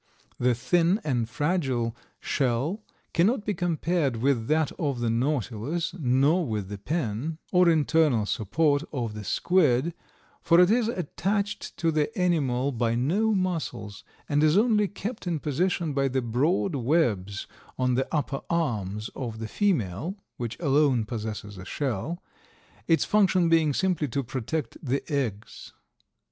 The thin and fragile shell cannot be compared with that of the Nautilus nor with the pen, or internal support, of the squid, for it is attached to the animal by no muscles, and is only kept in position by the broad webs on the upper arms of the female (which alone possesses a shell), its function being simply to protect the eggs.